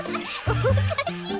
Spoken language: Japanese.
おかしい！